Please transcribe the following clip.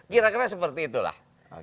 kira kira seperti itulah